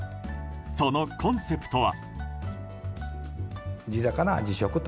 そのコンセプトは。